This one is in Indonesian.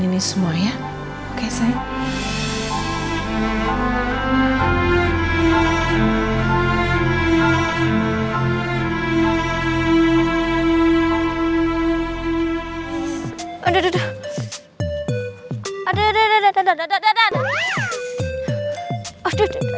ini semua ya oke sayang